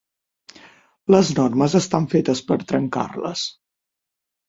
Les normes estan fetes per trencar-les.